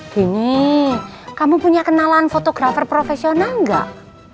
gini kamu punya kenalan fotografer profesional nggak